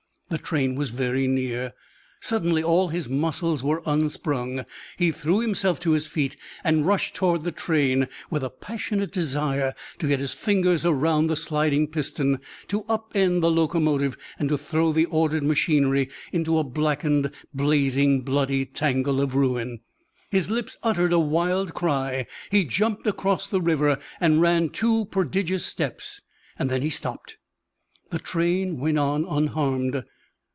The train was very near. Suddenly all his muscles were unsprung. He threw himself to his feet and rushed toward the train, with a passionate desire to get his fingers around the sliding piston, to up end the locomotive and to throw the ordered machinery into a blackened, blazing, bloody tangle of ruin. His lips uttered a wild cry; he jumped across the river and ran two prodigious steps. Then he stopped. The train went on unharmed.